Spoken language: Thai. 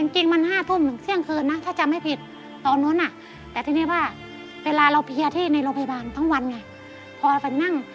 จริงมัน๕ทุ่มถึงเชี่ยงคืนน่ะถ้าจำไม่ผิดตอนนั้นน่ะแต่ทีนี้พ่อเวลาเราเพียที่ในโรคพยาบาลตั้งวันไง